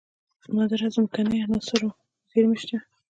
د نادره ځمکنۍ عناصرو زیرمې شته